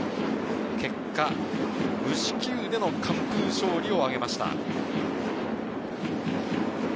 結果、無四球での完封勝利を挙げました。